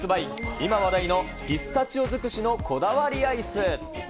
今話題のピスタチオ尽くしのこだわりアイス。